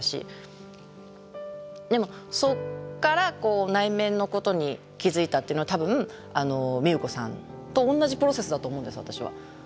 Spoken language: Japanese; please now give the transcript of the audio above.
でもそっから内面のことに気付いたっていうのは多分みゆこさんと同じプロセスだと思うんです私は。